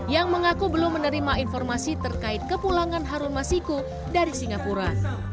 yang mengaku belum menerima informasi terkait kepulangan harun masiku dari singapura